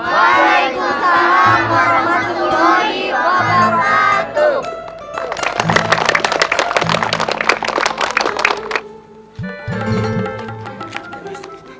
waalaikumsalam warahmatullahi wabarakatuh